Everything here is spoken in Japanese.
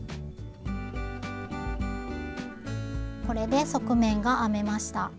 これで側面が編めました。